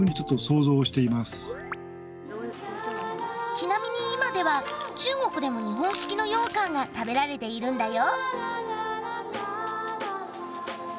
ちなみに今では中国でも日本式の羊羹が食べられているんだよ。